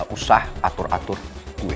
gak usah atur atur gue